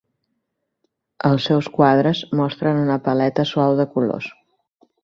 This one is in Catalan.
Els seus quadres mostren una paleta suau de colors.